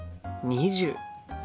２０。